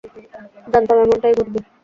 জানতাম এমনটাই ঘটবে।